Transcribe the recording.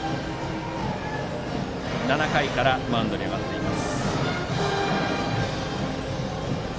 ７回からマウンドに上がっています。